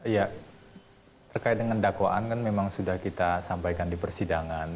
ya terkait dengan dakwaan kan memang sudah kita sampaikan di persidangan